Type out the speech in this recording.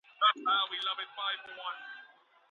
که د کثافاتو ډبې هر ځای وي، نو خلګ کثافات پر ځمکه نه غورځوي.